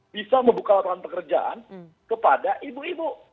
bisa membuka lapangan pekerjaan kepada ibu ibu